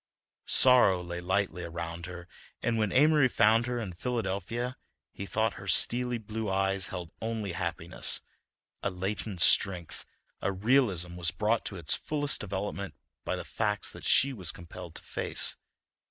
Sorrow lay lightly around her, and when Amory found her in Philadelphia he thought her steely blue eyes held only happiness; a latent strength, a realism, was brought to its fullest development by the facts that she was compelled to face.